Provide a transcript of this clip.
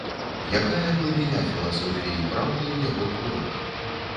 Якая глыбіня філасофіі і праўды ў яго творах.